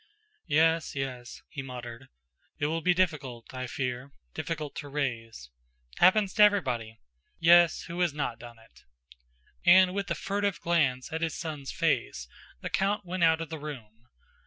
"Yes, yes," he muttered, "it will be difficult, I fear, difficult to raise... happens to everybody! Yes, who has not done it?" And with a furtive glance at his son's face, the count went out of the room....